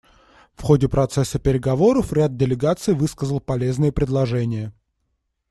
В ходе процесса переговоров ряд делегаций высказал полезные предложения.